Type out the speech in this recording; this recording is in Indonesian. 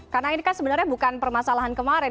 karena ini kan sebenarnya bukan permasalahan kemarin